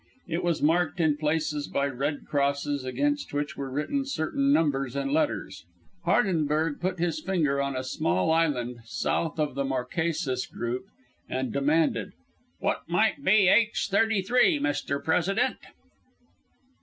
It was marked in places by red crosses, against which were written certain numbers and letters. Hardenberg put his finger on a small island south of the Marquesas group and demanded: "What might be H. 33, Mr. President?"